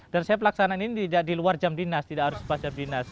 dan saya pelaksanaan ini di luar jam dinas tidak harus pas jam dinas